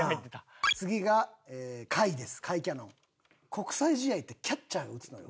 国際試合ってキャッチャーが打つのよ。